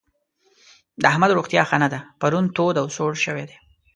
د احمد روغتيا ښه نه ده؛ پرون تود او سوړ شوی دی.